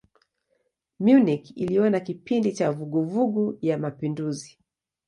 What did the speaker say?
Munich iliona kipindi cha vuguvugu ya mapinduzi.